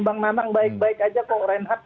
bang manang baik baik saja kok reinhardt